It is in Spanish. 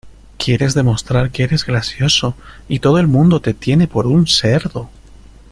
Quieres demostrar que eres gracioso y todo el mundo te tiene por un cerdo.